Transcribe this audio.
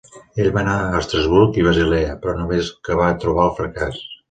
Ell va anar a Estrasburg i Basilea, però només que va trobar el fracàs.